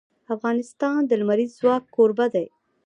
افغانستان د لمریز ځواک کوربه دی.